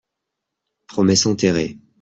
Promesse enterrée